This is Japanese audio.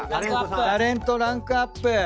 タレントランクアップ。